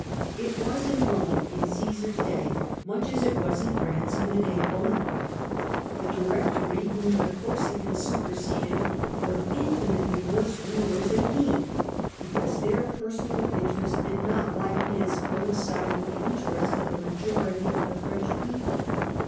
It was in Rome in Cmsar's day much as it was in Prance in the day of Bonaparte. The Directory" whom the Corsican superseded were infinitely worse rulers than he, bt'cause their personal interest did not, like his, coincide with the interest of the majority of the French people.